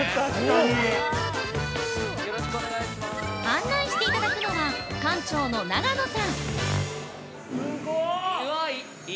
◆案内していただくのは館長の長野さん。